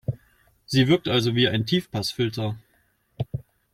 Sie wirkt also wie ein Tiefpassfilter.